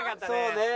そうね。